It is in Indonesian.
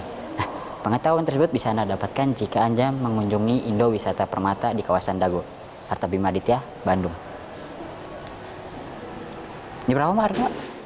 nah pengetahuan tersebut bisa anda dapatkan jika anda mengunjungi indo wisata permata di kawasan dago artabimaditya bandung